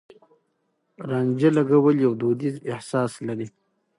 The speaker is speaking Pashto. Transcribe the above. رانجه لګول يو دوديز احساس لري.